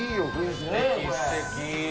すてき。